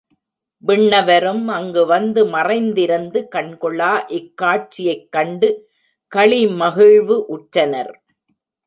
விண்ணவரும் அங்குவந்து மறைந்திருந்து கண்கொள்ளா இக் காட்சியைக் கண்டு களிமகிழ்வு உற்றனர்.